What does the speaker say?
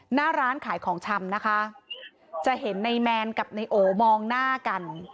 หน้าร้านขายของชำนะคะจะเห็นในแมนกับนายโอมองหน้ากัน